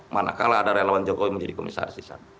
manakala ada relawan jokowi menjadi komisaris sana